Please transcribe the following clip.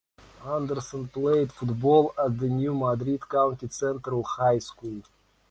Anderson played football at New Madrid County Central High School.